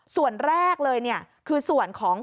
ส่วนแรกเลยคือส่วนของ